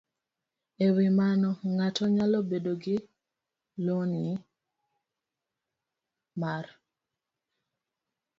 E wi mano, ng'ato nyalo bedo gi lony mar